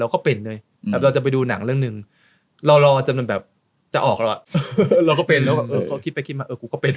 เราก็เป็นแล้วมันคิดไปมาเออผมก็เป็น